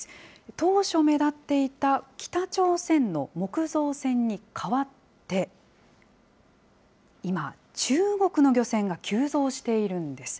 当初目立っていた北朝鮮の木造船に代わって、今、中国の漁船が急増しているんです。